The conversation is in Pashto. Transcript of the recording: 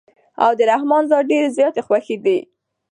او د رحمن ذات ډېرې زياتي خوښې دي